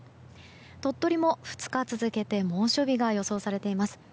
鳥取も２日続けて猛暑日が予想されています。